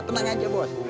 tenang aja bos